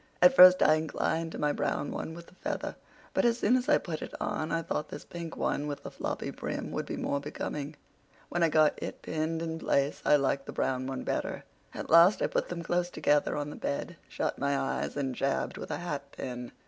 At first I inclined to my brown one with the feather; but as soon as I put it on I thought this pink one with the floppy brim would be more becoming. When I got it pinned in place I liked the brown one better. At last I put them close together on the bed, shut my eyes, and jabbed with a hat pin.